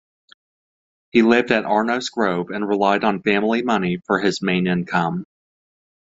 He lived at Arnos Grove and relied on family money for his main income.